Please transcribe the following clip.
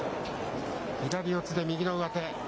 左四つで右の上手。